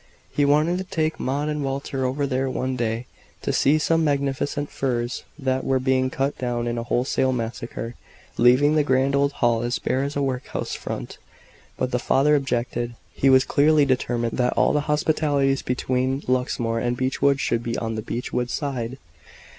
He wanted to take Maud and Walter over there one day, to see some magnificent firs that were being cut down in a wholesale massacre, leaving the grand old Hall as bare as a workhouse front. But the father objected; he was clearly determined that all the hospitalities between Luxmore and Beechwood should be on the Beechwood side.